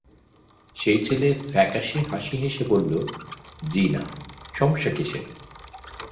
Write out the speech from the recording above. সেই ছেলে ফ্যাকাসে হাসি হেসে বলল, জ্বি-না, সমস্যা কিসের?